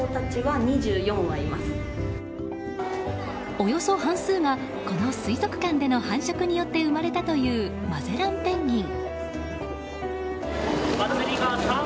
およそ半数がこの水族館での繁殖によって生まれたというマゼランペンギン。